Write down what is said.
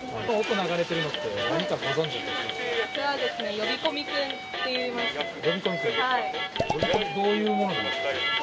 呼び込みどういうものなんですか？